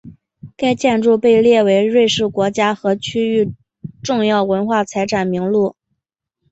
该建筑被列入瑞士国家和区域重要文化财产名录。